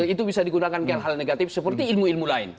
itu bisa digunakan hal hal negatif seperti ilmu ilmu lain